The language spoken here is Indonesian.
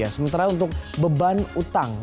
sementara untuk beban utang